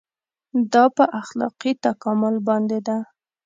دا په اخلاقي تکامل باندې ده.